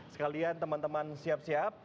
sekalian teman teman siap siap